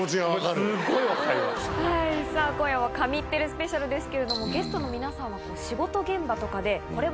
今夜は神ってるスペシャルですけれどもゲストの皆さん。